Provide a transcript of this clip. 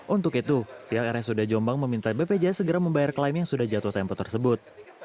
untuk itu pihak rsud jombang meminta bpjs segera membayar klaim yang sudah jatuh tempo tersebut